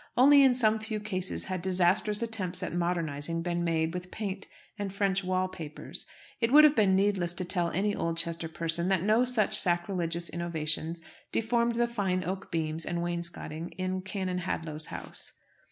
Only in some few cases had disastrous attempts at modernizing been made with paint and French wall papers. It would have been needless to tell any Oldchester person that no such sacrilegious innovations deformed the fine oak beams and wainscoting in Canon Hadlow's house.